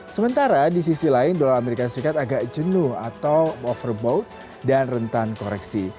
sementara di sisi lain dolar amerika serikat agak jenuh atau overbook dan rentan koreksi